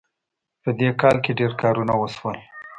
په دې کال کې ډېر کارونه وشول